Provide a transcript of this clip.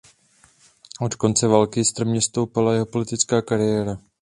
Od konce války strmě stoupala jeho politická kariéra.